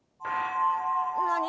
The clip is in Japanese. なに？